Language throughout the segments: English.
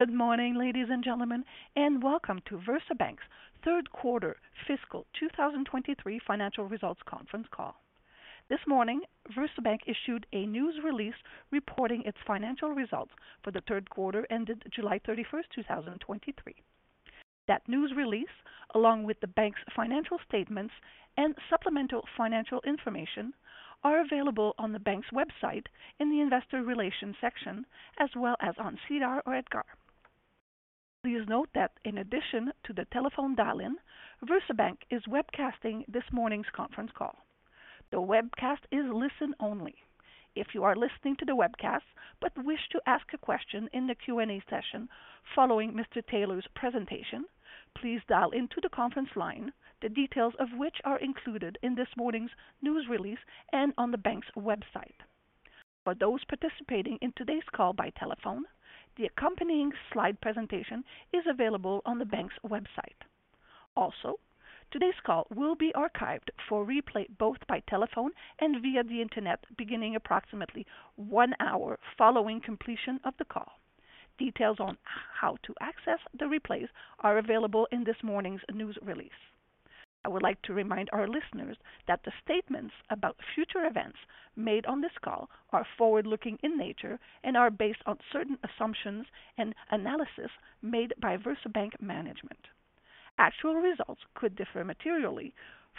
Good morning, ladies and gentlemen, and welcome to VersaBank's third quarter fiscal 2023 financial results conference call. This morning, VersaBank issued a news release reporting its financial results for the third quarter ended July 31, 2023. That news release, along with the bank's financial statements and supplemental financial information, are available on the bank's website in the investor relations section, as well as on SEDAR or EDGAR. Please note that in addition to the telephone dial-in, VersaBank is webcasting this morning's conference call. The webcast is listen only. If you are listening to the webcast but wish to ask a question in the Q&A session following Mr. Taylor's presentation, please dial into the conference line, the details of which are included in this morning's news release and on the bank's website. For those participating in today's call by telephone, the accompanying slide presentation is available on the bank's website. Also, today's call will be archived for replay, both by telephone and via the internet, beginning approximately one hour following completion of the call. Details on how to access the replays are available in this morning's news release. I would like to remind our listeners that the statements about future events made on this call are forward-looking in nature and are based on certain assumptions and analysis made by VersaBank management. Actual results could differ materially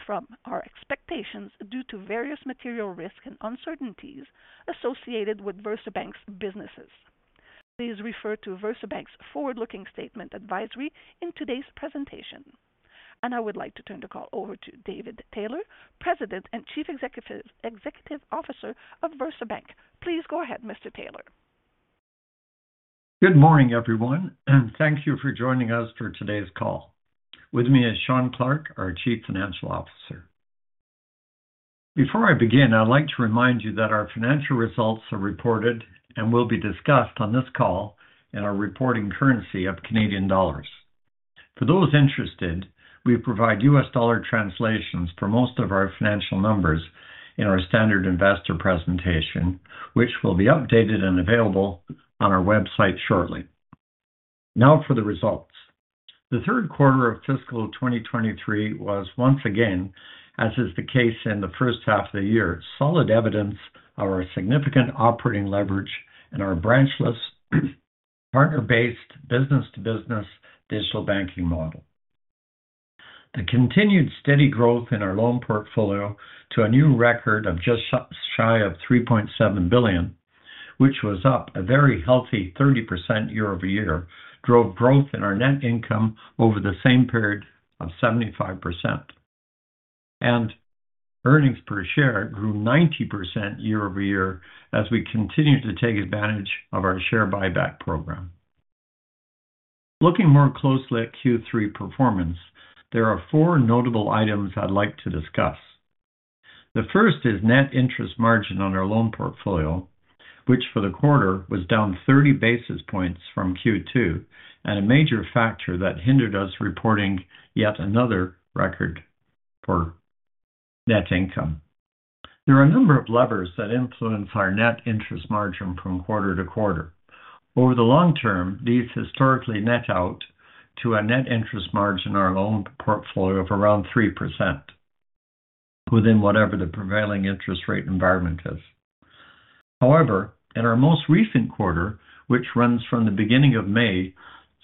from our expectations due to various material risks and uncertainties associated with VersaBank's businesses. Please refer to VersaBank's forward-looking statement advisory in today's presentation. I would like to turn the call over to David Taylor, President and Chief Executive Officer of VersaBank. Please go ahead, Mr. Taylor. Good morning, everyone, and thank you for joining us for today's call. With me is Shawn Clarke, our Chief Financial Officer. Before I begin, I'd like to remind you that our financial results are reported and will be discussed on this call in our reporting currency of Canadian dollars. For those interested, we provide U.S. dollar translations for most of our financial numbers in our standard investor presentation, which will be updated and available on our website shortly. Now for the results. The third quarter of fiscal 2023 was once again, as is the case in the first half of the year, solid evidence of our significant operating leverage and our branchless, partner-based business-to-business digital banking model. The continued steady growth in our loan portfolio to a new record of just shy of 3.7 billion, which was up a very healthy 30% year-over-year, drove growth in our net income over the same period of 75%. Earnings per share grew 90% year-over-year as we continued to take advantage of our share buyback program. Looking more closely at Q3 performance, there are four notable items I'd like to discuss. The first is net interest margin on our loan portfolio, which for the quarter was down 30 basis points from Q2 and a major factor that hindered us reporting yet another record for net income. There are a number of levers that influence our net interest margin from quarter to quarter. Over the long term, these historically net out to a net interest margin on our loan portfolio of around 3% within whatever the prevailing interest rate environment is. However, in our most recent quarter, which runs from the beginning of May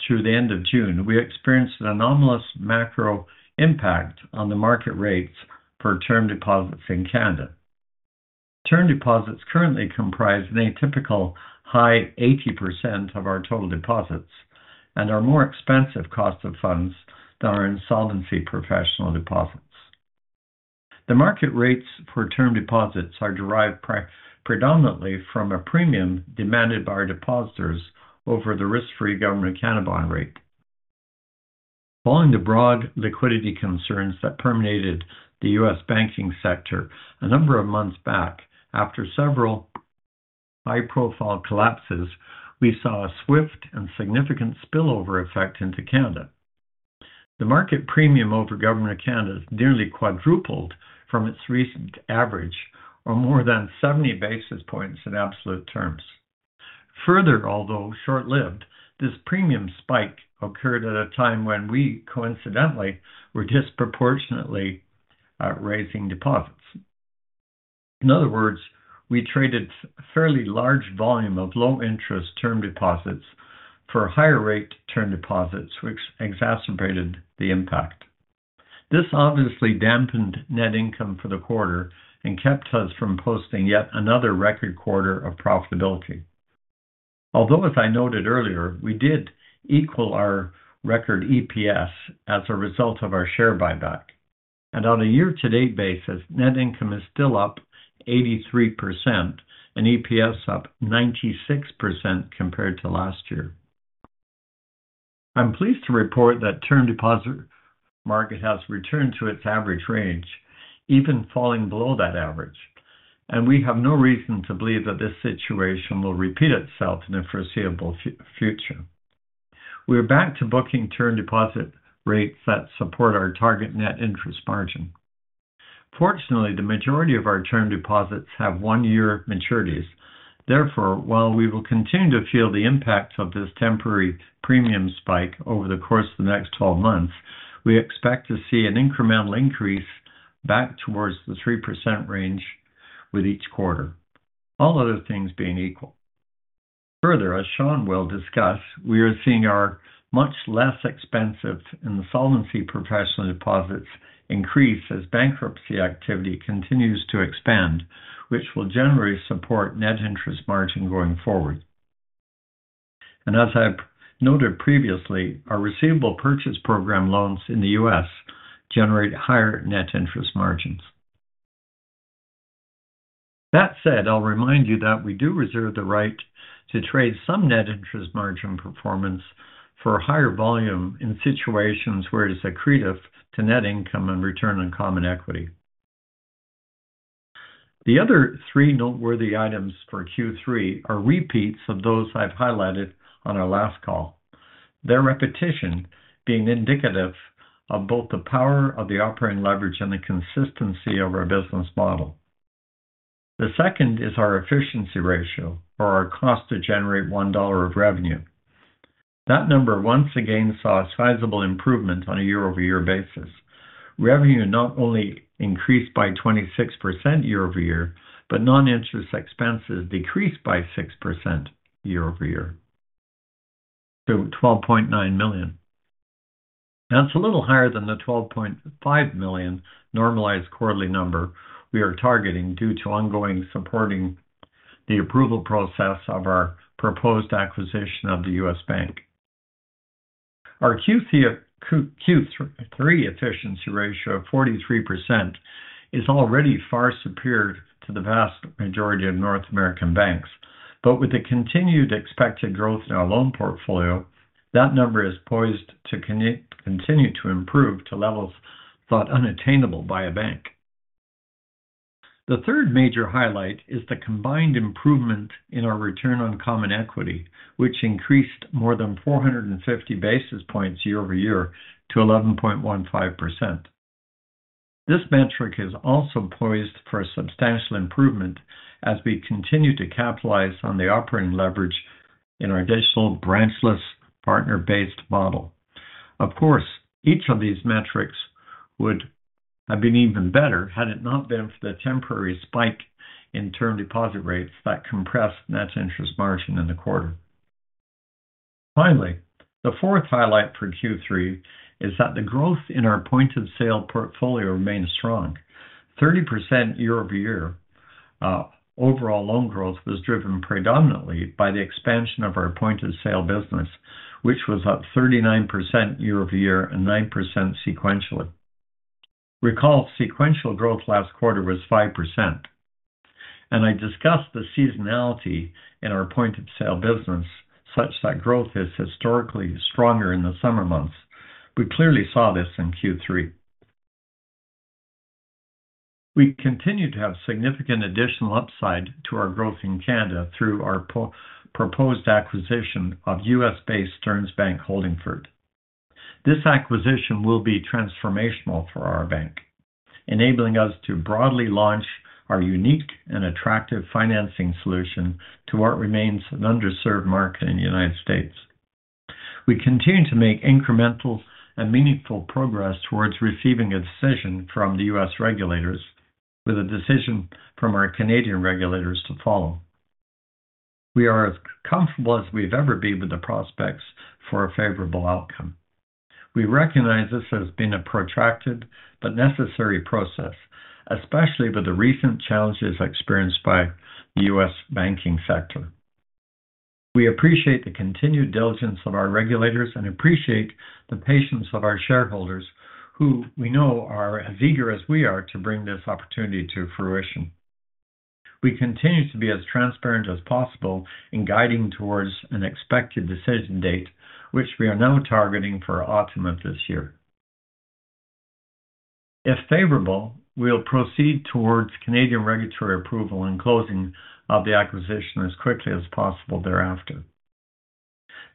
through the end of June, we experienced an anomalous macro impact on the market rates for term deposits in Canada. Term Deposits currently comprise in a typical high 80% of our total deposits and are more expensive cost of funds than our insolvency professional deposits. The market rates for Term Deposits are derived predominantly from a premium demanded by our depositors over the risk-free Government of Canada bond rate. Following the broad liquidity concerns that permeated the U.S. banking sector a number of months back, after several high-profile collapses, we saw a swift and significant spillover effect into Canada. The market premium over Government of Canada nearly quadrupled from its recent average, or more than 70 basis points in absolute terms. Further, although short-lived, this premium spike occurred at a time when we coincidentally were disproportionately raising deposits. In other words, we traded fairly large volume of low-interest term deposits for higher rate term deposits, which exacerbated the impact. This obviously dampened net income for the quarter and kept us from posting yet another record quarter of profitability. Although, as I noted earlier, we did equal our record EPS as a result of our share buyback. On a year-to-date basis, net income is still up 83% and EPS up 96% compared to last year. I'm pleased to report that term deposit market has returned to its average range, even falling below that average, and we have no reason to believe that this situation will repeat itself in the foreseeable future. We are back to booking term deposit rates that support our target net interest margin. Fortunately, the majority of our term deposits have one-year maturities. Therefore, while we will continue to feel the impact of this temporary premium spike over the course of the next 12 months, we expect to see an incremental increase back towards the 3% range with each quarter, all other things being equal. Further, as Shawn will discuss, we are seeing our much less expensive insolvency professional deposits increase as bankruptcy activity continues to expand, which will generally support net interest margin going forward. As I've noted previously, our Receivable Purchase Program loans in the U.S. generate higher net interest margins. That said, I'll remind you that we do reserve the right to trade some net interest margin performance for a higher volume in situations where it's accretive to net income and return on common equity. The other three noteworthy items for Q3 are repeats of those I've highlighted on our last call. Their repetition being indicative of both the power of the operating leverage and the consistency of our business model. The second is our efficiency ratio, or our cost to generate one dollar of revenue. That number once again saw a sizable improvement on a year-over-year basis. Revenue not only increased by 26% year-over-year, but non-interest expenses decreased by 6% year-over-year to 12.9 million. That's a little higher than the 12.5 million normalized quarterly number we are targeting due to ongoing supporting the approval process of our proposed acquisition of the U.S. bank. Our Q3 efficiency ratio of 43% is already far superior to the vast majority of North American banks. But with the continued expected growth in our loan portfolio, that number is poised to continue to improve to levels thought unattainable by a bank. The third major highlight is the combined improvement in our return on common equity, which increased more than 450 basis points year-over-year to 11.15%. This metric is also poised for a substantial improvement as we continue to capitalize on the operating leverage in our digital branchless partner-based model. Of course, each of these metrics would have been even better had it not been for the temporary spike in term deposit rates that compressed net interest margin in the quarter. Finally, the fourth highlight for Q3 is that the growth in our point-of-sale portfolio remains strong. 30% year-over-year, overall loan growth was driven predominantly by the expansion of our point-of-sale business, which was up 39% year-over-year and 9% sequentially. Recall, sequential growth last quarter was 5%, and I discussed the seasonality in our point-of-sale business such that growth is historically stronger in the summer months. We clearly saw this in Q3. We continue to have significant additional upside to our growth in Canada through our proposed acquisition of U.S.-based Stearns Bank Holdingford. This acquisition will be transformational for our bank, enabling us to broadly launch our unique and attractive financing solution to what remains an underserved market in the United States. We continue to make incremental and meaningful progress towards receiving a decision from the U.S. regulators, with a decision from our Canadian regulators to follow. We are as comfortable as we've ever been with the prospects for a favorable outcome. We recognize this as being a protracted but necessary process, especially with the recent challenges experienced by the U.S. banking sector. We appreciate the continued diligence of our regulators and appreciate the patience of our shareholders, who we know are as eager as we are to bring this opportunity to fruition. We continue to be as transparent as possible in guiding towards an expected decision date, which we are now targeting for autumn of this year. If favorable, we'll proceed towards Canadian regulatory approval and closing of the acquisition as quickly as possible thereafter.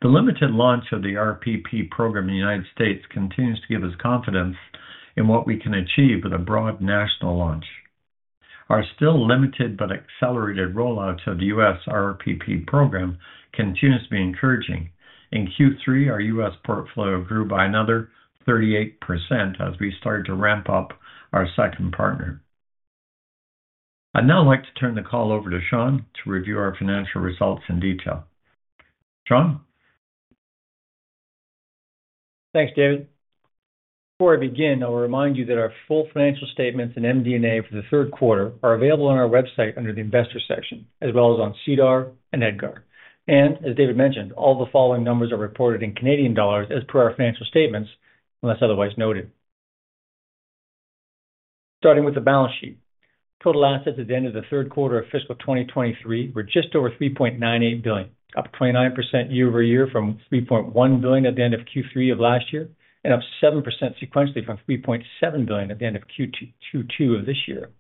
The limited launch of the RPP program in the United States continues to give us confidence in what we can achieve with a broad national launch. Our still limited but accelerated rollout of the U.S. RPP program continues to be encouraging. In Q3, our U.S. portfolio grew by another 38% as we started to ramp up our second partner. I'd now like to turn the call over to Shawn to review our financial results in detail. Shawn? Thanks, David. Before I begin, I'll remind you that our full financial statements and MD&A for the third quarter are available on our website under the investor section, as well as on SEDAR and EDGAR. As David mentioned, all the following numbers are reported in Canadian dollars as per our financial statements, unless otherwise noted. Starting with the balance sheet. Total assets at the end of the third quarter of fiscal 2023 were just over 3.98 billion, up 29% year-over-year from 3.1 billion at the end of Q3 of last year, and up 7% sequentially from 3.7 billion at the end of Q2 of this year....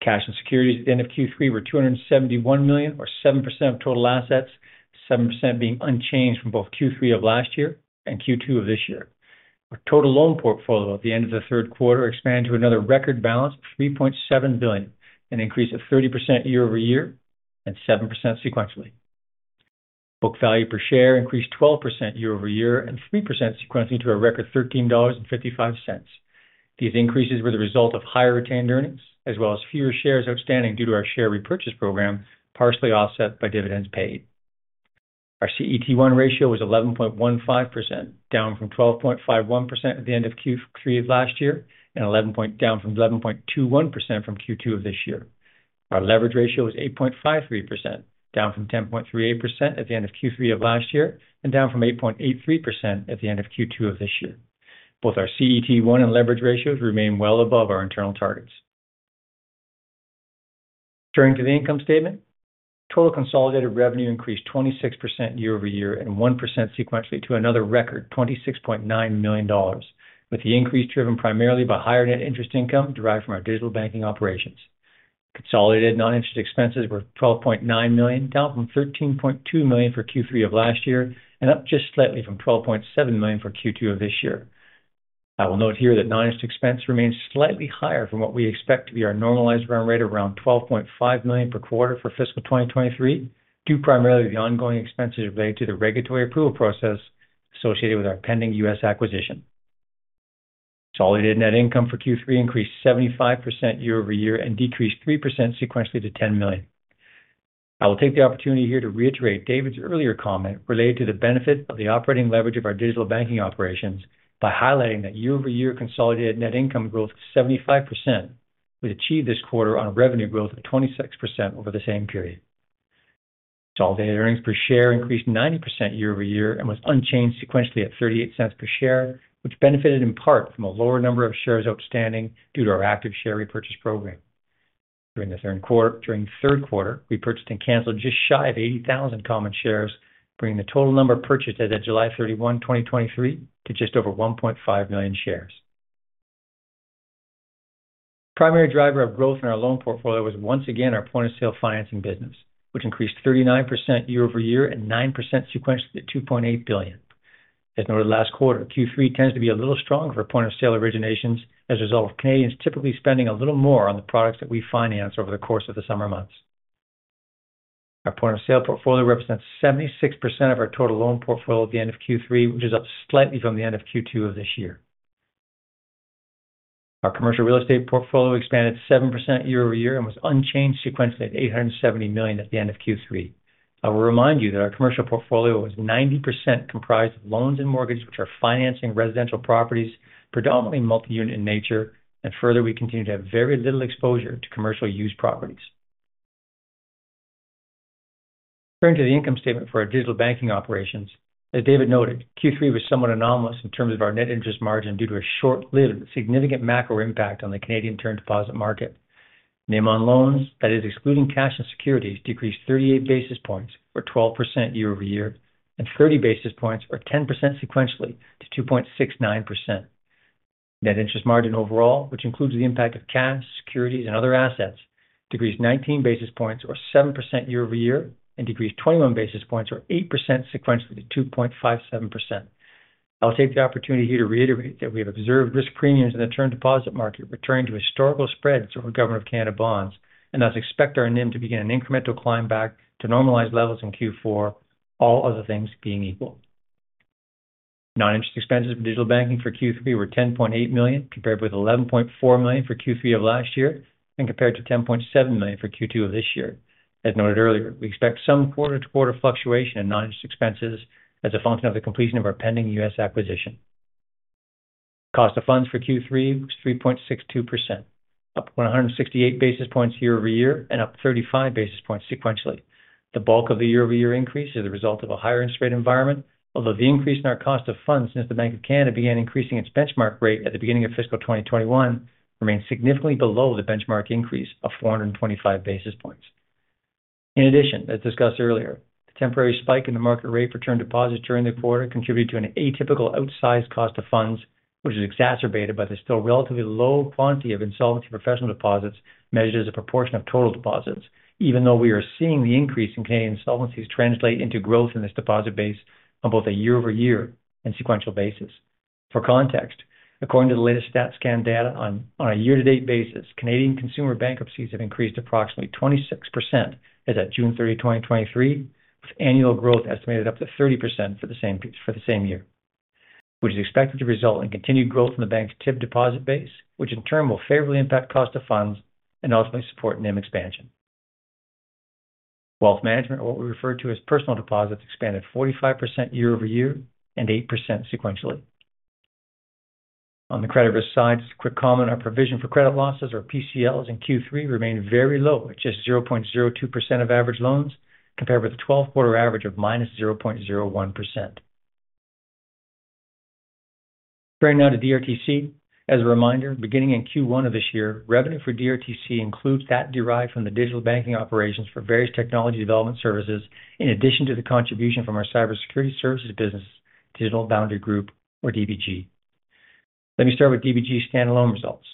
Cash and securities at the end of Q3 were 271 million, or 7% of total assets, 7% being unchanged from both Q3 of last year and Q2 of this year. Our total loan portfolio at the end of the third quarter expanded to another record balance of 3.7 billion, an increase of 30% year-over-year and 7% sequentially. Book value per share increased 12% year-over-year and 3% sequentially to a record 13.55 dollars. These increases were the result of higher retained earnings, as well as fewer shares outstanding due to our share repurchase program, partially offset by dividends paid. Our CET1 ratio was 11.15%, down from 12.51% at the end of Q3 of last year, and down from 11.21% from Q2 of this year. Our leverage ratio was 8.53%, down from 10.38% at the end of Q3 of last year and down from 8.83% at the end of Q2 of this year. Both our CET1 and leverage ratios remain well above our internal targets. Turning to the income statement, total consolidated revenue increased 26% year-over-year and 1% sequentially to another record 26.9 million dollars, with the increase driven primarily by higher net interest income derived from our digital banking operations. Consolidated non-interest expenses were 12.9 million, down from 13.2 million for Q3 of last year, and up just slightly from 12.7 million for Q2 of this year. I will note here that non-interest expense remains slightly higher from what we expect to be our normalized run rate, around 12.5 million per quarter for fiscal 2023, due primarily to the ongoing expenses related to the regulatory approval process associated with our pending U.S. acquisition. Consolidated net income for Q3 increased 75% year-over-year and decreased 3% sequentially to 10 million. I will take the opportunity here to reiterate David's earlier comment related to the benefit of the operating leverage of our digital banking operations by highlighting that year-over-year consolidated net income growth of 75% we achieved this quarter on a revenue growth of 26% over the same period. Consolidated earnings per share increased 90% year over year and was unchanged sequentially at 0.38 per share, which benefited in part from a lower number of shares outstanding due to our active share repurchase program. During the third quarter, we purchased and canceled just shy of 80,000 common shares, bringing the total number purchased as of July 31, 2023, to just over 1.5 million shares. The primary driver of growth in our loan portfolio was once again our point-of-sale financing business, which increased 39% year-over-year and 9% sequentially to 2.8 billion. As noted last quarter, Q3 tends to be a little stronger for point-of-sale originations as a result of Canadians typically spending a little more on the products that we finance over the course of the summer months. Our point-of-sale portfolio represents 76% of our total loan portfolio at the end of Q3, which is up slightly from the end of Q2 of this year. Our commercial real estate portfolio expanded 7% year-over-year and was unchanged sequentially at 870 million at the end of Q3. I will remind you that our commercial portfolio is 90% comprised of loans and mortgages, which are financing residential properties, predominantly multi-unit in nature, and further, we continue to have very little exposure to commercial use properties. Turning to the income statement for our digital banking operations, as David noted, Q3 was somewhat anomalous in terms of our net interest margin due to a short-lived but significant macro impact on the Canadian term deposit market. NIM on loans, that is, excluding cash and securities, decreased 38 basis points, or 12% year-over-year, and 30 basis points or 10% sequentially to 2.69%. Net interest margin overall, which includes the impact of cash, securities, and other assets, decreased 19 basis points or 7% year-over-year, and decreased 21 basis points or 8% sequentially to 2.57%. I'll take the opportunity here to reiterate that we have observed risk premiums in the term deposit market returning to historical spreads over Government of Canada bonds and thus expect our NIM to begin an incremental climb back to normalized levels in Q4, all other things being equal. Non-interest expenses for digital banking for Q3 were 10.8 million, compared with 11.4 million for Q3 of last year and compared to 10.7 million for Q2 of this year. As noted earlier, we expect some quarter-to-quarter fluctuation in non-interest expenses as a function of the completion of our pending U.S. acquisition. Cost of funds for Q3 was 3.62%, up 168 basis points year-over-year and up 35 basis points sequentially. The bulk of the year-over-year increase is the result of a higher interest rate environment, although the increase in our cost of funds since the Bank of Canada began increasing its benchmark rate at the beginning of fiscal 2021, remains significantly below the benchmark increase of 425 basis points. In addition, as discussed earlier, the temporary spike in the market rate for term deposits during the quarter contributed to an atypical outsized cost of funds, which is exacerbated by the still relatively low quantity of insolvency professional deposits measured as a proportion of total deposits, even though we are seeing the increase in Canadian insolvencies translate into growth in this deposit base on both a year-over-year and sequential basis. For context, according to the latest StatsCan data, on a year-to-date basis, Canadian consumer bankruptcies have increased approximately 26% as at June 30, 2023, with annual growth estimated up to 30% for the same year, which is expected to result in continued growth in the bank's TIB deposit base, which in turn will favorably impact cost of funds and ultimately support NIM expansion. Wealth management, or what we refer to as personal deposits, expanded 45% year over year and 8% sequentially. On the credit risk side, just a quick comment, our provision for credit losses, or PCLs, in Q3 remained very low, at just 0.02% of average loans, compared with a 12-quarter average of -0.01%. Turning now to DRT Cyber. As a reminder, beginning in Q1 of this year, revenue for DRT Cyber includes that derived from the digital banking operations for various technology development services, in addition to the contribution from our cybersecurity services business, Digital Boundary Group, or DBG. Let me start with DBG standalone results.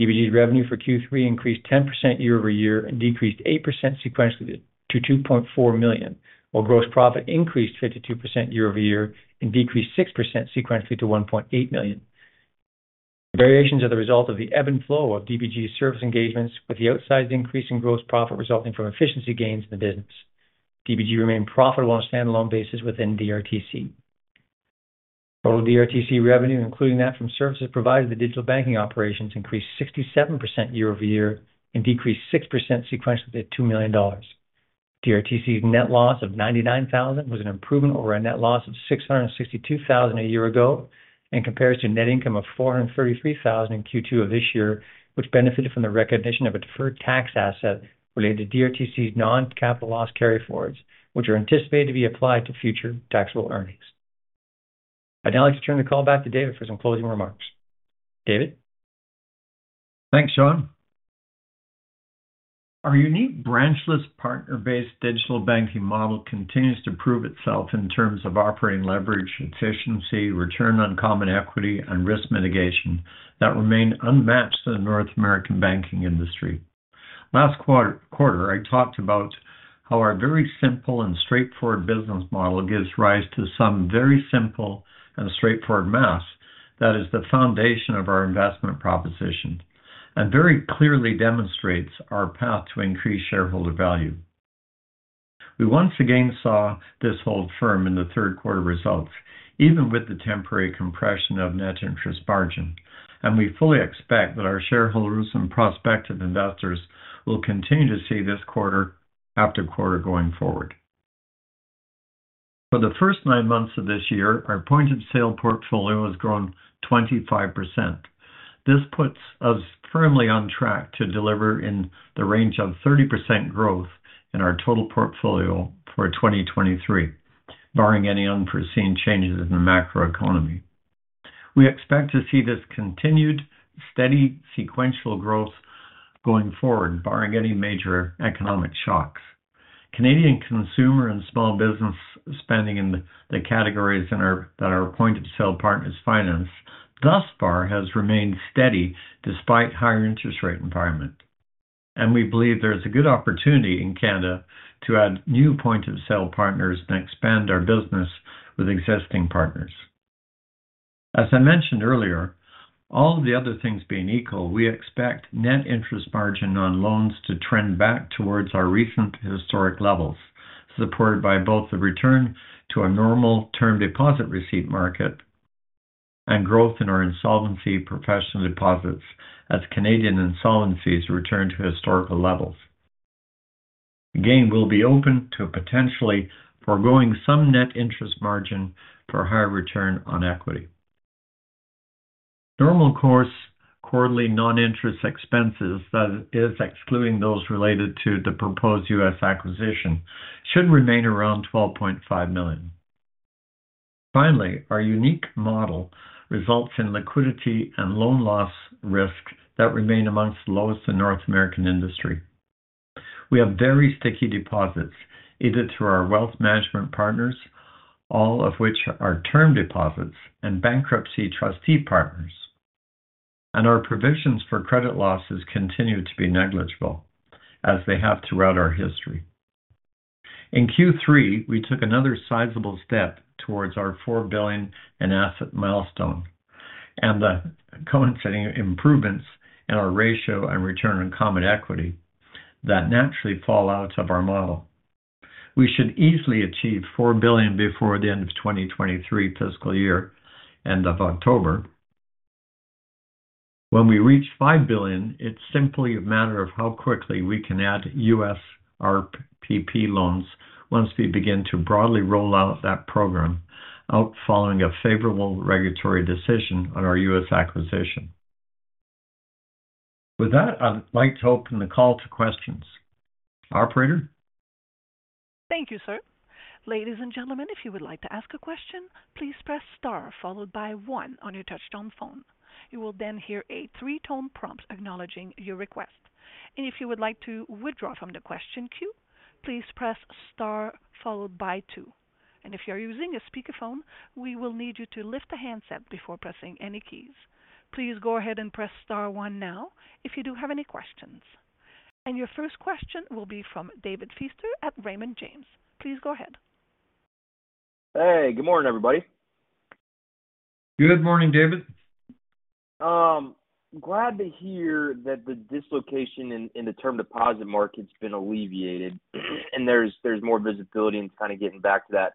DBG's revenue for Q3 increased 10% year-over-year and decreased 8% sequentially to $2.4 million, while gross profit increased 52% year-over-year and decreased 6% sequentially to $1.8 million. Variations are the result of the ebb and flow of DBG service engagements, with the outsized increase in gross profit resulting from efficiency gains in the business. DBG remained profitable on a standalone basis within DRT Cyber. Total DRT Cyber revenue, including that from services provided to digital banking operations, increased 67% year-over-year and decreased 6% sequentially to $2 million. Cyber's net loss of 99,000 was an improvement over a net loss of 662,000 a year ago and compares to net income of 433,000 in Q2 of this year, which benefited from the recognition of a deferred tax asset related to DRT Cyber's non-capital loss carryforwards, which are anticipated to be applied to future taxable earnings. I'd now like to turn the call back to David for some closing remarks. David? Thanks, Shawn. Our unique branchless, partner-based digital banking model continues to prove itself in terms of operating leverage, efficiency, return on common equity, and risk mitigation that remain unmatched in the North American banking industry. Last quarter, I talked about how our very simple and straightforward business model gives rise to some very simple and straightforward math that is the foundation of our investment proposition, and very clearly demonstrates our path to increase shareholder value. We once again saw this hold firm in the third quarter results, even with the temporary compression of net interest margin, and we fully expect that our shareholders and prospective investors will continue to see this quarter after quarter going forward. For the first nine months of this year, our point-of-sale portfolio has grown 25%. This puts us firmly on track to deliver in the range of 30% growth in our total portfolio for 2023, barring any unforeseen changes in the macroeconomy. We expect to see this continued steady sequential growth going forward, barring any major economic shocks. Canadian consumer and small business spending in the categories that our point-of-sale partners finance thus far has remained steady despite higher interest rate environment. We believe there is a good opportunity in Canada to add new point-of-sale partners and expand our business with existing partners. As I mentioned earlier, all the other things being equal, we expect net interest margin on loans to trend back towards our recent historic levels, supported by both the return to a normal term deposit receipt market and growth in our insolvency professional deposits as Canadian insolvencies return to historical levels. Again, we'll be open to potentially foregoing some net interest margin for higher return on equity. Normal course quarterly non-interest expenses, that is, excluding those related to the proposed U.S. acquisition, should remain around 12.5 million. Finally, our unique model results in liquidity and loan loss risk that remain among the lowest in North American industry. We have very sticky deposits, either through our wealth management partners, all of which are term deposits and bankruptcy trustee partners. And our provisions for credit losses continue to be negligible, as they have throughout our history. In Q3, we took another sizable step towards our 4 billion in asset milestone and the coinciding improvements in our ratio and return on common equity that naturally fall out of our model. We should easily achieve 4 billion before the end of 2023 fiscal year, end of October. When we reach 5 billion, it's simply a matter of how quickly we can add U.S. RPP loans once we begin to broadly roll out that program following a favorable regulatory decision on our U.S. acquisition. With that, I'd like to open the call to questions. Operator? Thank you, sir. Ladies and gentlemen, if you would like to ask a question, please press Star followed by one on your touchtone phone. You will then hear a three-tone prompt acknowledging your request. If you would like to withdraw from the question queue, please press Star followed by two. If you are using a speakerphone, we will need you to lift the handset before pressing any keys. Please go ahead and press Star one now if you do have any questions. Your first question will be from David Feaster at Raymond James. Please go ahead. Hey, good morning, everybody. Good morning, David. Glad to hear that the dislocation in the term deposit market has been alleviated and there's more visibility and kind of getting back to that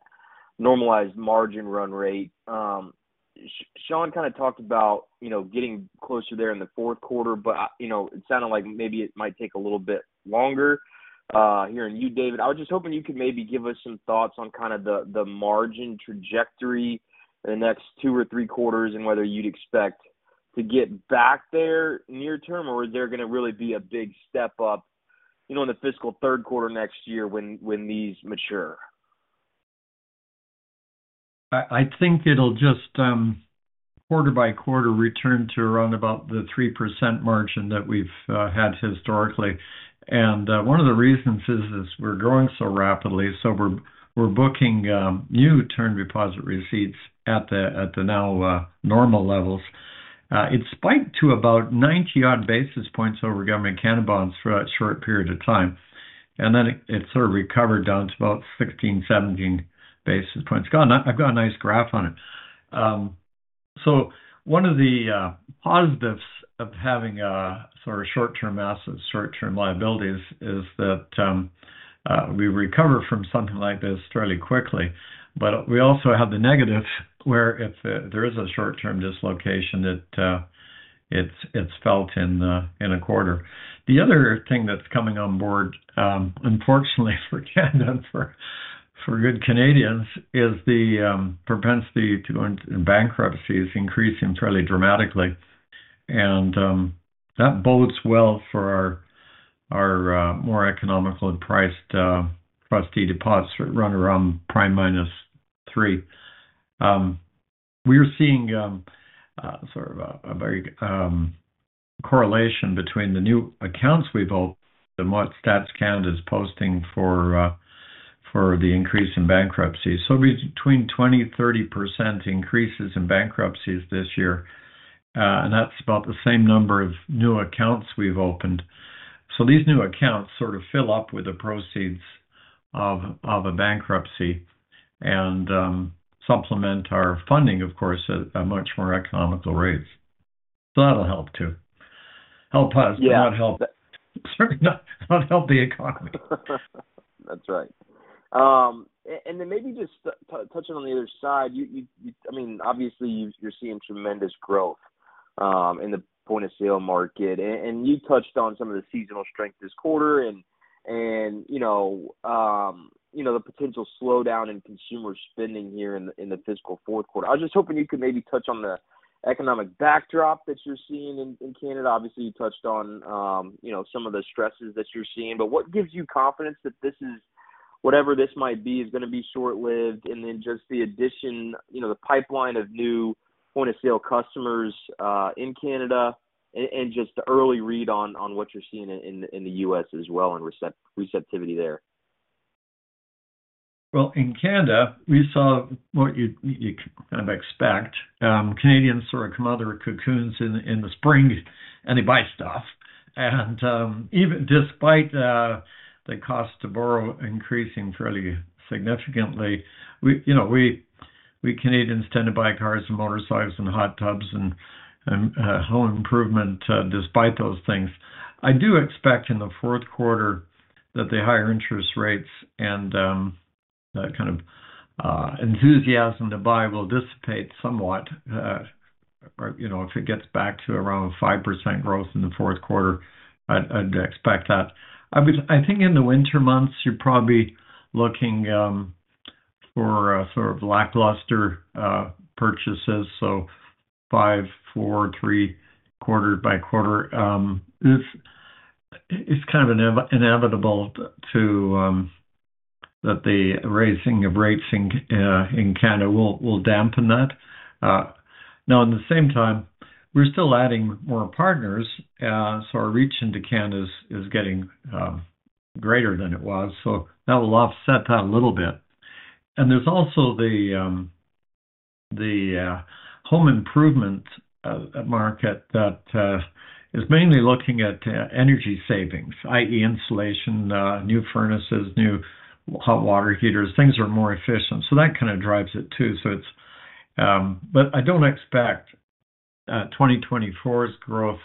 normalized margin run rate. Shawn kind of talked about, you know, getting closer there in the fourth quarter, but, you know, it sounded like maybe it might take a little bit longer. Hearing you, David, I was just hoping you could maybe give us some thoughts on kind of the margin trajectory in the next two or three quarters and whether you'd expect to get back there near term, or is there gonna really be a big step up, you know, in the fiscal third quarter next year when these mature? I think it'll just quarter by quarter return to around about the 3% margin that we've had historically. And one of the reasons is we're growing so rapidly, so we're booking new term deposit receipts at the now normal levels. It spiked to about 90 odd basis points over Government of Canada bonds for a short period of time, and then it sort of recovered down to about 16, 17 basis points. God, I've got a nice graph on it. So one of the positives of having a sort of short-term assets, short-term liabilities is that we recover from something like this fairly quickly. But we also have the negative, where if there is a short-term dislocation, it's felt in a quarter. The other thing that's coming on board, unfortunately for Canada, for good Canadians, is the propensity to go into bankruptcies, increasing fairly dramatically. And that bodes well for our more economical and priced trustee deposits run around prime minus three. We are seeing sort of a very correlation between the new accounts we've opened and what Stats Canada is posting for the increase in bankruptcy. So between 20%-30% increases in bankruptcies this year, and that's about the same number of new accounts we've opened. So these new accounts sort of fill up with the proceeds of a bankruptcy and supplement our funding, of course, at a much more economical rates. So that'll help too. Help us- Yeah. not help the economy. That's right. And then maybe just touching on the other side. I mean, obviously, you're seeing tremendous growth in the point-of-sale market. And you touched on some of the seasonal strength this quarter and, you know, the potential slowdown in consumer spending here in the fiscal fourth quarter. I was just hoping you could maybe touch on the economic backdrop that you're seeing in Canada. Obviously, you touched on some of the stresses that you're seeing, but what gives you confidence that this is... whatever this might be, is gonna be short-lived, and then just the addition, you know, the pipeline of new point-of-sale customers in Canada, and just the early read on what you're seeing in the US as well, and receptivity there? Well, in Canada, we saw what you'd, you kind of expect. Canadians sort of come out of their cocoons in the spring, and they buy stuff. Even despite the cost to borrow increasing fairly significantly, you know, we Canadians tend to buy cars and motorcycles and hot tubs and home improvement despite those things. I do expect in the fourth quarter, that the higher interest rates and kind of enthusiasm to buy will dissipate somewhat. But, you know, if it gets back to around 5% growth in the fourth quarter, I'd expect that. I mean, I think in the winter months, you're probably looking for a sort of lackluster purchases. So five, four, three, quarter by quarter, it's kind of inevitable that the raising of rates in Canada will dampen that. Now, at the same time, we're still adding more partners, so our reach into Canada is getting greater than it was. So that will offset that a little bit. And there's also the home improvement market that is mainly looking at energy savings, i.e., insulation, new furnaces, new hot water heaters. Things are more efficient, so that kind of drives it too. So it's... But I don't expect 2024's growth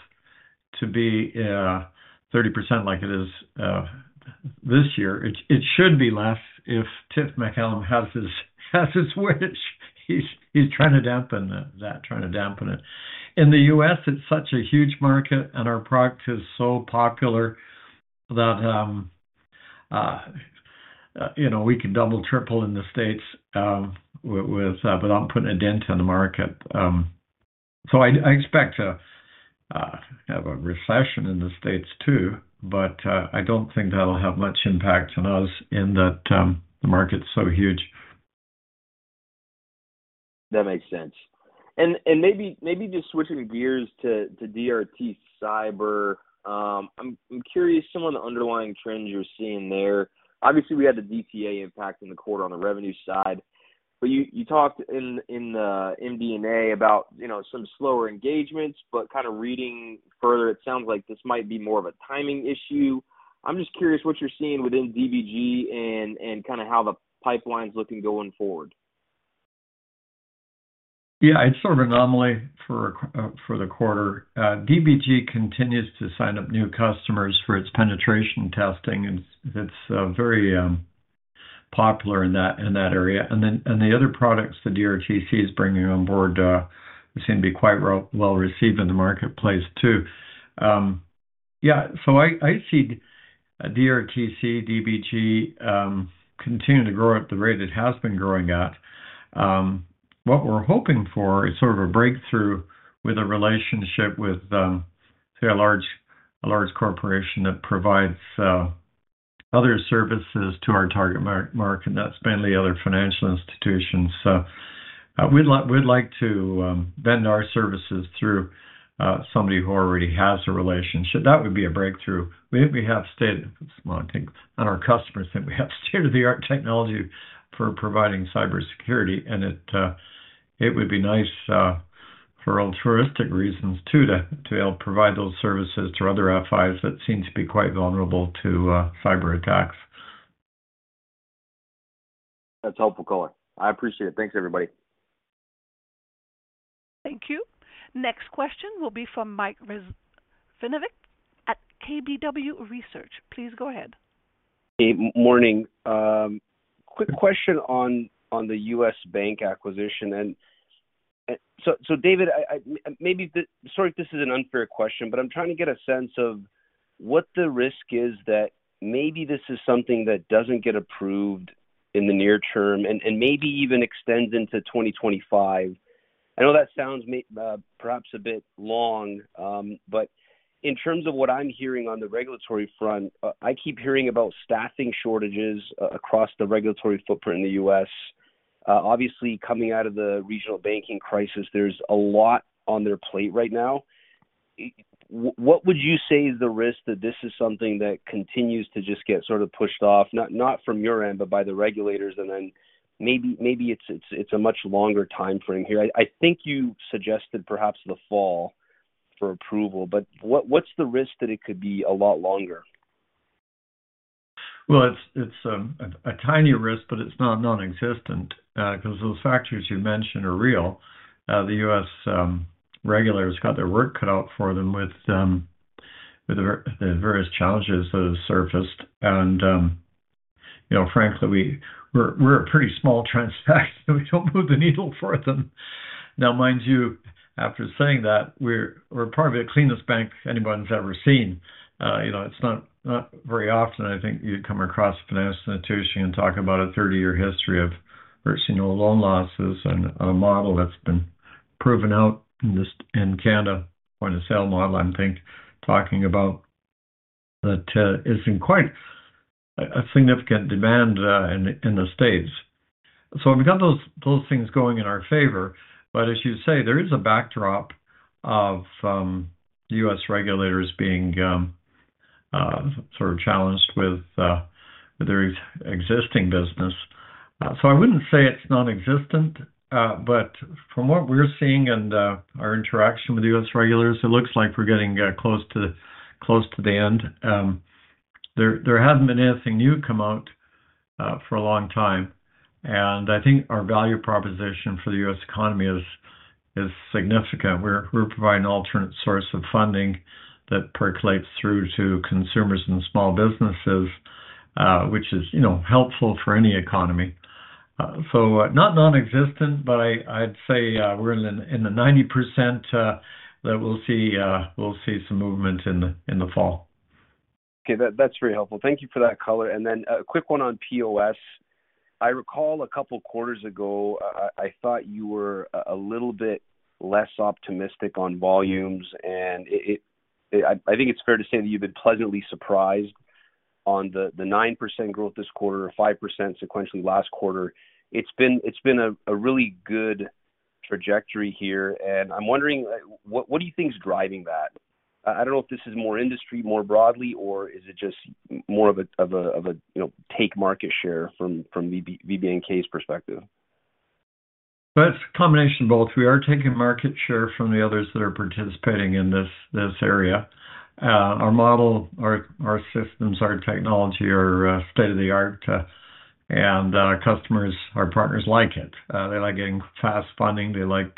to be 30% like it is this year. It should be less if Tiff Macklem has his wish. He's trying to dampen that, trying to dampen it. In the U.S., it's such a huge market, and our product is so popular that, you know, we can double, triple in the States without putting a dent in the market. So I expect to have a recession in the States too, but I don't think that'll have much impact on us in that the market's so huge. That makes sense. And maybe just switching gears to DRT Cyber. I'm curious, some of the underlying trends you're seeing there. Obviously, we had the DTA impact in the quarter on the revenue side, but you talked in the MD&A about, you know, some slower engagements, but kind of reading further, it sounds like this might be more of a timing issue. I'm just curious what you're seeing within DBG and kind of how the pipeline is looking going forward. Yeah, it's sort of an anomaly for the quarter. DBG continues to sign up new customers for its penetration testing, and it's very popular in that area. And then, the other products that DRT Cyber is bringing on board seem to be quite well-received in the marketplace too. Yeah, so I see DRT Cyber, DBG, continuing to grow at the rate it has been growing at. What we're hoping for is sort of a breakthrough with a relationship with, say, a large corporation that provides other services to our target market, and that's mainly other financial institutions. So, we'd like to vend our services through somebody who already has a relationship. That would be a breakthrough. Well, I think, and our customers think we have state-of-the-art technology for providing cybersecurity, and it would be nice, for altruistic reasons too, to help provide those services to other FIs that seem to be quite vulnerable to cyberattacks. That's helpful color. I appreciate it. Thanks, everybody. Thank you. Next question will be from Mike Rizvanovic at KBW Research. Please go ahead. Hey, morning. Quick question on the U.S. bank acquisition, and so David, I maybe sorry if this is an unfair question, but I'm trying to get a sense of what the risk is that maybe this is something that doesn't get approved in the near term and maybe even extends into 2025. I know that sounds perhaps a bit long, but in terms of what I'm hearing on the regulatory front, I keep hearing about staffing shortages across the regulatory footprint in the U.S. Obviously, coming out of the regional banking crisis, there's a lot on their plate right now. What would you say is the risk that this is something that continues to just get sort of pushed off, not from your end, but by the regulators, and then maybe it's a much longer timeframe here? I think you suggested perhaps the fall for approval, but what's the risk that it could be a lot longer? Well, it's a tiny risk, but it's not nonexistent, 'cause those factors you mentioned are real. The U.S. regulators got their work cut out for them with the various challenges that have surfaced. And you know, frankly, we're a pretty small transaction, we don't move the needle for them. Now, mind you, after saying that, we're probably the cleanest bank anyone's ever seen. You know, it's not very often, I think, you come across a financial institution and talk about a thirty-year history of very senior loan losses and a model that's been proven out in this, in Canada, or the sale model, I think, talking about that is in quite a significant demand in the States. So we've got those things going in our favor. But as you say, there is a backdrop of U.S. regulators being sort of challenged with their existing business. So I wouldn't say it's nonexistent, but from what we're seeing and our interaction with the U.S. regulators, it looks like we're getting close to, close to the end. There, there hasn't been anything new come out for a long time, and I think our value proposition for the U.S. economy is, is significant. We're, we're providing an alternate source of funding that percolates through to consumers and small businesses, which is, you know, helpful for any economy. So, not nonexistent, but I'd say, we're in the, in the 90%, that we'll see, we'll see some movement in the, in the fall. Okay, that's very helpful. Thank you for that color. And then a quick one on POS. I recall a couple of quarters ago, I thought you were a little bit less optimistic on volumes, and I think it's fair to say that you've been pleasantly surprised on the 9% growth this quarter, or 5% sequentially last quarter. It's been a really good trajectory here, and I'm wondering, what do you think is driving that? I don't know if this is more industry, more broadly, or is it just more of a, you know, take market share from VBNK's perspective. That's a combination of both. We are taking market share from the others that are participating in this area. Our model, our systems, our technology are state-of-the-art, and our customers, our partners like it. They like getting fast funding, they like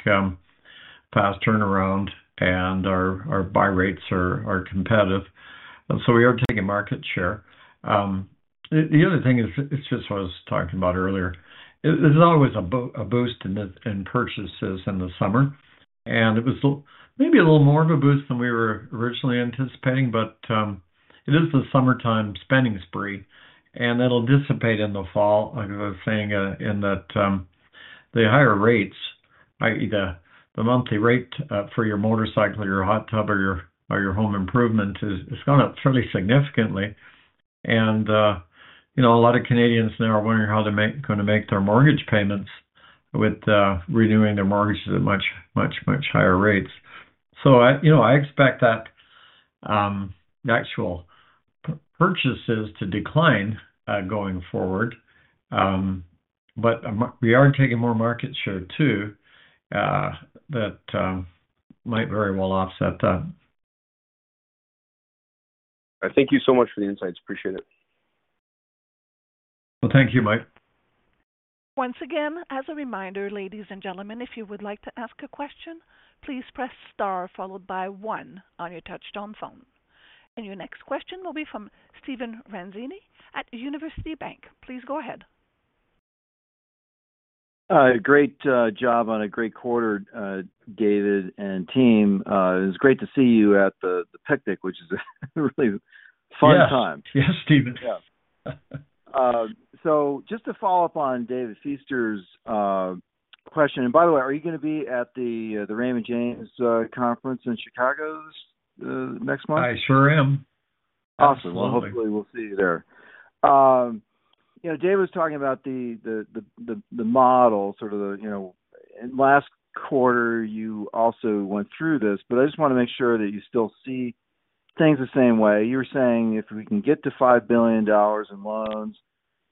fast turnaround, and our buy rates are competitive. So we are taking market share. The other thing is, it's just what I was talking about earlier. There's always a boost in the purchases in the summer, and it was maybe a little more of a boost than we were originally anticipating, but it is the summertime spending spree, and that'll dissipate in the fall, like I was saying, in that the higher rates, i.e., the monthly rate for your motorcycle or your hot tub or your home improvement is going up fairly significantly. And you know, a lot of Canadians now are wondering how they're gonna make their mortgage payments with renewing their mortgages at much, much, much higher rates. So I you know, I expect that the actual purchases to decline going forward. But we are taking more market share too that might very well offset that. Thank you so much for the insights. Appreciate it. Well, thank you, Mike. Once again, as a reminder, ladies and gentlemen, if you would like to ask a question, please press star followed by one on your touchtone phone. Your next question will be from Stephen Ranzini at University Bank. Please go ahead. Great, job on a great quarter, David and team. It was great to see you at the picnic, which is a really fun time. Yes, Stephen. Yeah. So, just to follow up on David Feaster's a question, and by the way, are you gonna be at the Raymond James conference in Chicago this next month? I sure am. Awesome. Absolutely. Well, hopefully, we'll see you there. You know, Dave was talking about the model, sort of, you know, and last quarter, you also went through this, but I just wanna make sure that you still see things the same way. You were saying if we can get to 5 billion dollars in loans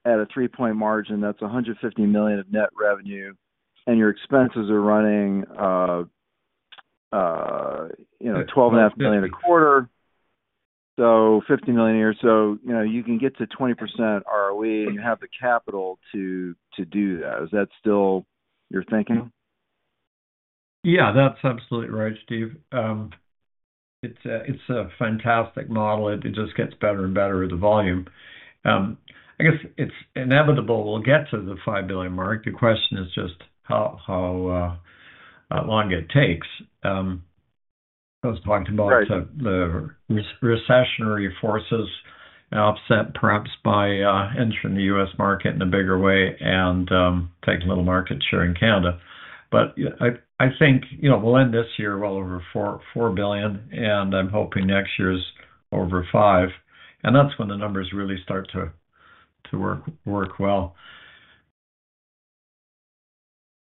at a 3% margin, that's 150 million of net revenue, and your expenses are running, you know, 12.5 million a quarter. So 50 million a year. So, you know, you can get to 20% ROE and have the capital to do that. Is that still your thinking? Yeah, that's absolutely right, Steve. It's a fantastic model. It just gets better and better with the volume. I guess it's inevitable we'll get to the 5 billion mark. The question is just how long it takes. I was talking about- Right... the recessionary forces offset perhaps by, entering the U.S. market in a bigger way and, taking a little market share in Canada. But I, I think, you know, we'll end this year well over 4 billion, and I'm hoping next year's over 5 billion, and that's when the numbers really start to work well.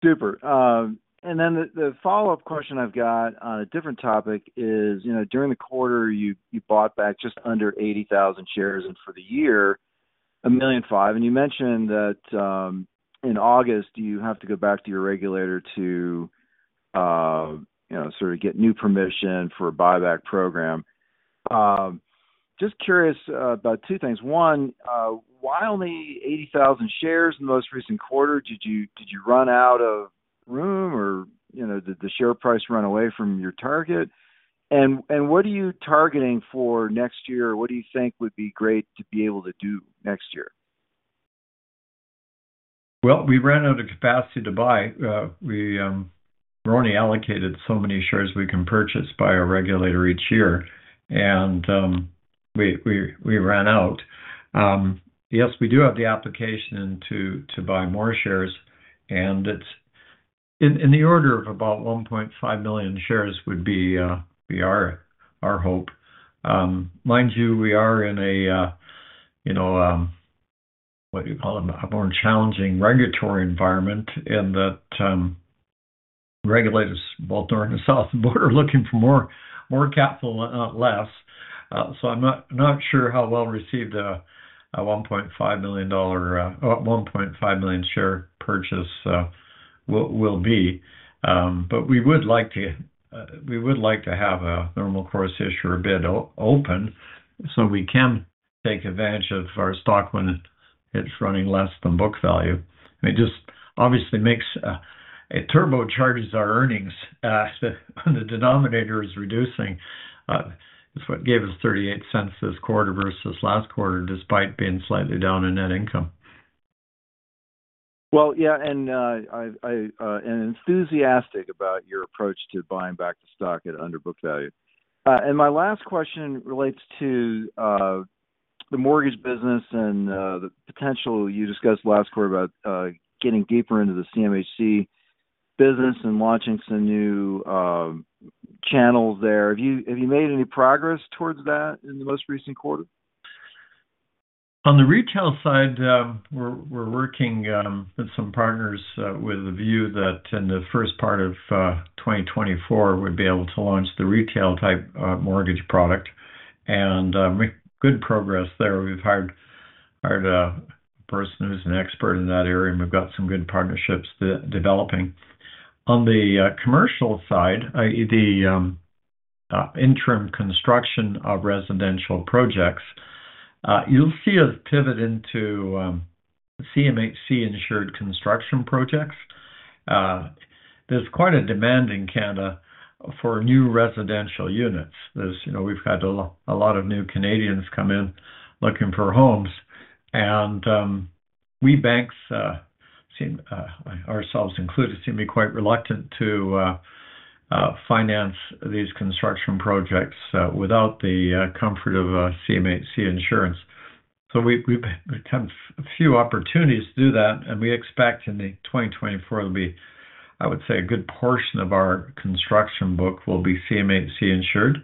Super. And then the follow-up question I've got on a different topic is, you know, during the quarter, you bought back just under 80,000 shares, and for the year, 1.5 million, and you mentioned that, in August, you have to go back to your regulator to, you know, sort of get new permission for a buyback program. Just curious about two things. One, why only 80,000 shares in the most recent quarter? Did you run out of room or, you know, did the share price run away from your target? And what are you targeting for next year, or what do you think would be great to be able to do next year? Well, we ran out of capacity to buy. We are only allocated so many shares we can purchase by our regulator each year, and we ran out. Yes, we do have the application to buy more shares, and it's in the order of about 1.5 million shares would be our hope. Mind you, we are in a you know what you call a more challenging regulatory environment in that regulators, both north and south, are looking for more capital, not less. So I'm not sure how well received a 1.5 million dollar, a 1.5 million share purchase will be. But we would like to have a Normal Course Issuer Bid open, so we can take advantage of our stock when it's running less than book value. It just obviously makes it turbocharges our earnings as the denominator is reducing. It's what gave us 0.38 this quarter versus last quarter, despite being slightly down in net income. Well, yeah, I am enthusiastic about your approach to buying back the stock at under book value. My last question relates to the mortgage business and the potential you discussed last quarter about getting deeper into the CMHC business and launching some new channels there. Have you made any progress towards that in the most recent quarter? On the retail side, we're working with some partners with a view that in the first part of 2024, we'd be able to launch the retail-type mortgage product and make good progress there. We've hired a person who's an expert in that area, and we've got some good partnerships developing. On the commercial side, i.e., the interim construction of residential projects, you'll see us pivot into CMHC-insured construction projects. There's quite a demand in Canada for new residential units. There's, you know, we've had a lot of new Canadians come in looking for homes, and we banks seem, ourselves included, seem to be quite reluctant to finance these construction projects without the comfort of CMHC insurance. So we've had a few opportunities to do that, and we expect in 2024 to be, I would say, a good portion of our construction book will be CMHC insured.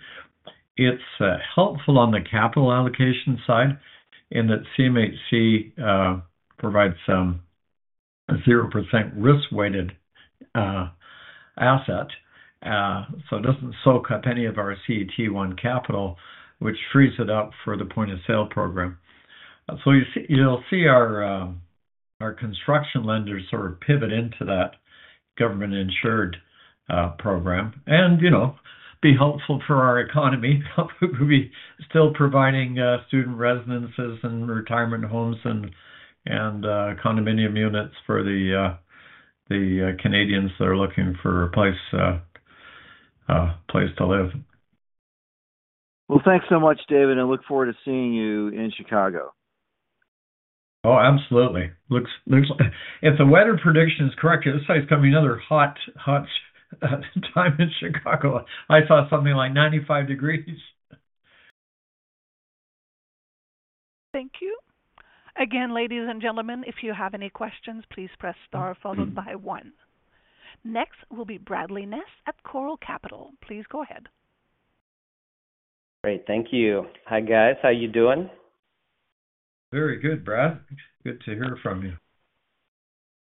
It's helpful on the capital allocation side in that CMHC provides a 0% risk-weighted asset. So it doesn't soak up any of our CET1 capital, which frees it up for the point-of-sale program. So you'll see our construction lenders sort of pivot into that government-insured program and, you know, be helpful for our economy. We'll be still providing student residences and retirement homes and condominium units for the Canadians that are looking for a place to live. Well, thanks so much, David, and I look forward to seeing you in Chicago. Oh, absolutely. Looks like if the weather prediction is correct, this is going to be another hot, hot time in Chicago. I saw something like 95 degrees Fahrenheit.... Thank you. Again, ladies and gentlemen, if you have any questions, please press star followed by one. Next will be Bradley Ness at Choral Capital. Please go ahead. Great. Thank you. Hi, guys. How are you doing? Very good, Brad. Good to hear from you.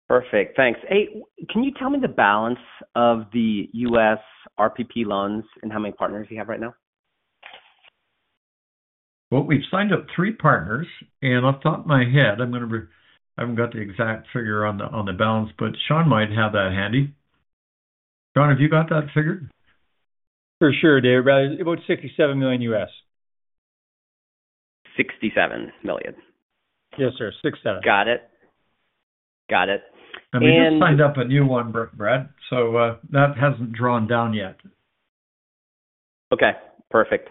Perfect. Thanks. Hey, can you tell me the balance of the U.S. RPP loans and how many partners you have right now? Well, we've signed up three partners, and off the top of my head, I'm going to be-- I haven't got the exact figure on the, on the balance, but Shawn might have that handy. Shawn, have you got that figure? For sure, David. About $67 million. Sixty-seven million? Yes, sir. 67. Got it. Got it. And- And we just signed up a new one, Brad, so, that hasn't drawn down yet. Okay, perfect.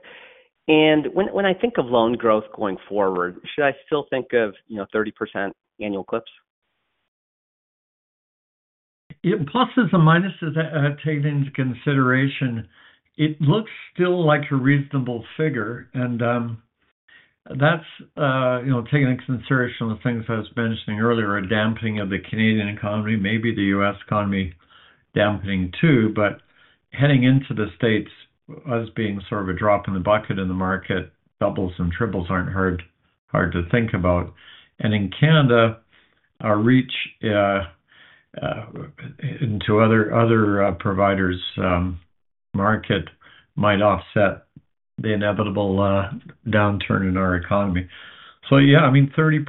And when, when I think of loan growth going forward, should I still think of, you know, 30% annual clips? Yeah, pluses and minuses take into consideration, it looks still like a reasonable figure. And that's, you know, taking into consideration the things I was mentioning earlier, a dampening of the Canadian economy, maybe the U.S. economy dampening too. But heading into the States, as being sort of a drop in the bucket in the market, doubles and triples aren't hard, hard to think about. And in Canada, our reach into other providers market might offset the inevitable downturn in our economy. So, yeah, I mean, 30%,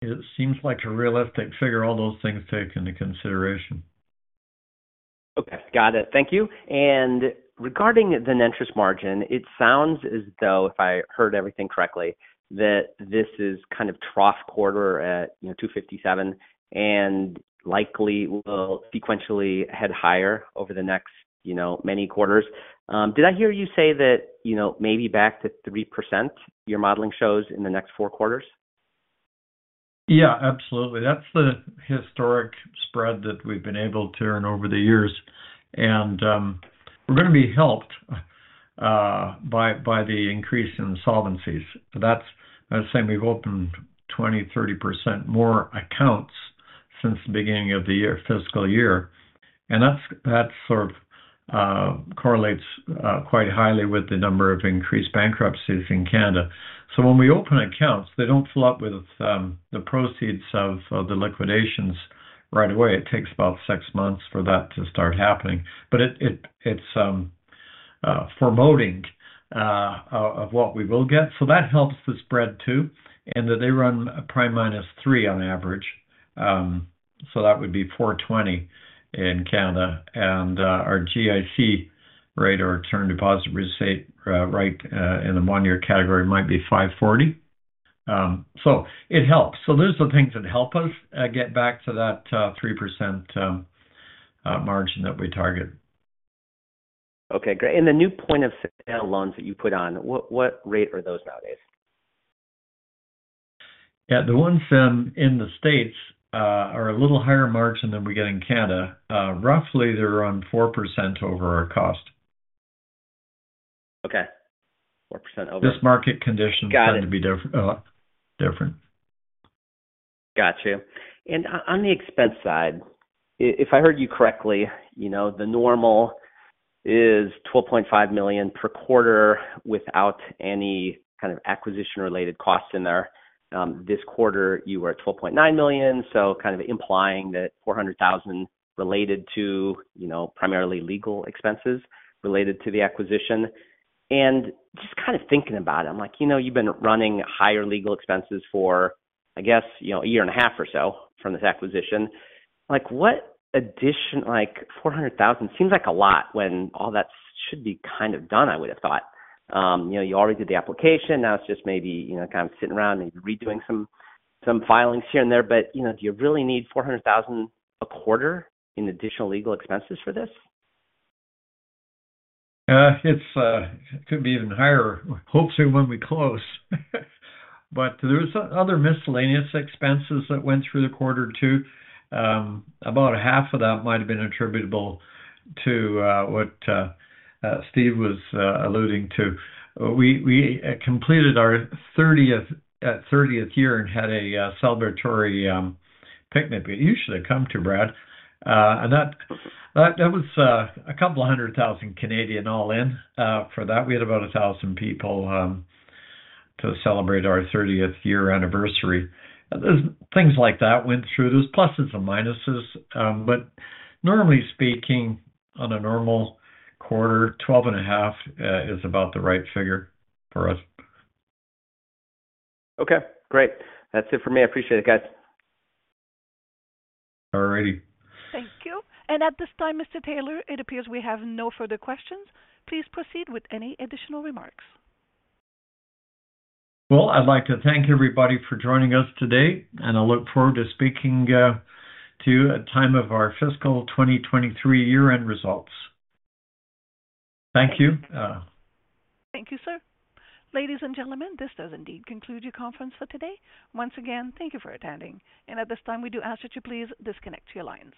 it seems like a realistic figure, all those things take into consideration. Okay, got it. Thank you. Regarding the net interest margin, it sounds as though, if I heard everything correctly, that this is kind of trough quarter at, you know, 2.57%, and likely will sequentially head higher over the next, you know, many quarters. Did I hear you say that, you know, maybe back to 3%, your modeling shows in the next four quarters? Yeah, absolutely. That's the historic spread that we've been able to earn over the years, and, we're going to be helped, by, by the increase in insolvencies. That's, as I say, we've opened 20, 30% more accounts since the beginning of the year, fiscal year, and that's, that's sort of, correlates, quite highly with the number of increased bankruptcies in Canada. So when we open accounts, they don't fill up with, the proceeds of, of the liquidations right away. It takes about six months for that to start happening, but it, it, it's, foreboding, of, of what we will get. So that helps the spread too, and that they run a prime minus 3 on average. So that would be 4.20% in Canada, and our GIC rate or term deposit rate, right, in the one-year category might be 5.40%. So it helps. So those are the things that help us get back to that 3% margin that we target. Okay, great. And the new point-of-sale loans that you put on, what, what rate are those nowadays? Yeah, the ones in the States are a little higher margin than we get in Canada. Roughly, they're around 4% over our cost. Okay. 4% over. This market conditions- Got it. Tend to be different, different. Got you. And on the expense side, if I heard you correctly, you know, the normal is 12.5 million per quarter without any kind of acquisition related costs in there. This quarter, you were at 12.9 million, so kind of implying that 400,000 related to, you know, primarily legal expenses related to the acquisition. And just kind of thinking about it, I'm like, you know, you've been running higher legal expenses for, I guess, you know, a year and a half or so from this acquisition. Like, what addition... Like, 400,000 seems like a lot when all that should be kind of done, I would have thought. You know, you already did the application. Now, it's just maybe, you know, kind of sitting around and redoing some, some filings here and there. But, you know, do you really need 400,000 a quarter in additional legal expenses for this? It could be even higher, hopefully when we close. But there's other miscellaneous expenses that went through the quarter, too. About a half of that might have been attributable to what Steve was alluding to. We completed our 30th year and had a celebratory picnic. You should have come to Brad. And that was 200,000 all in. For that, we had about 1,000 people to celebrate our 30th-year anniversary. There's things like that went through. There's pluses and minuses, but normally speaking, on a normal quarter, 12.5 is about the right figure for us. Okay, great. That's it for me. I appreciate it, guys. All righty. Thank you. At this time, Mr. Taylor, it appears we have no further questions. Please proceed with any additional remarks. Well, I'd like to thank everybody for joining us today, and I look forward to speaking to you at time of our fiscal 2023 year-end results. Thank you. Thank you, sir. Ladies and gentlemen, this does indeed conclude your conference for today. Once again, thank you for attending, and at this time, we do ask that you please disconnect your lines.